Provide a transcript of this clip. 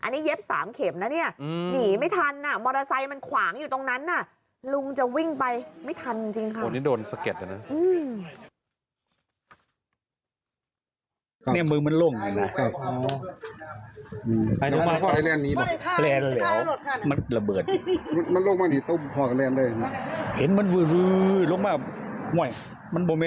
ตั๋มจริงค่ะโอ้นี้โดนสะเก็ดเลยน่ะ